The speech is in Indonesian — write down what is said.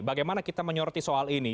bagaimana kita menyoroti soal ini